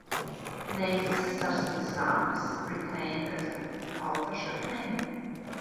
The name Sisters in Islam is retained as an authorship name.